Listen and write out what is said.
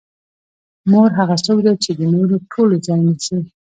مور هغه څوک ده چې د نورو ټولو ځای نیسي.